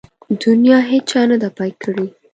د نيا هيچا نده پاى کړې.